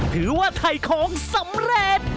ถือว่าถ่ายของสำเร็จ